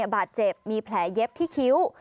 บาดเจ็บมีแผลเย็บที่คิ้ว